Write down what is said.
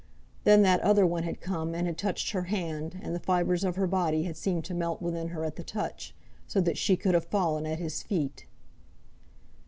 Then that other one had come and had touched her hand, and the fibres of her body had seemed to melt within her at the touch, so that she could have fallen at his feet.